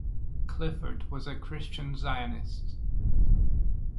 Clifford was a Christian Zionist.